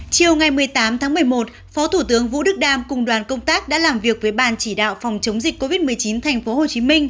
chiều ngày một mươi tám tháng một mươi một phó thủ tướng vũ đức đam cùng đoàn công tác đã làm việc với ban chỉ đạo phòng chống dịch covid một mươi chín tp hcm